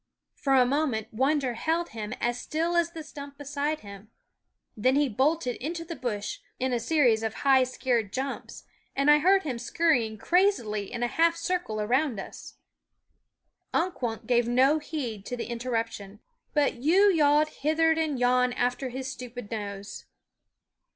For a moment wonder held him fe//OW*& as still as the stump beside him ; then he bolted into the bush in a series of high, scared jumps, and I heard him scurrying crazily in a half circle around us. Unk Wunk gave no heed to the interrup tion, but yew yawed hither and yon after his stupid nose.